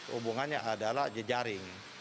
hubungannya adalah jejaring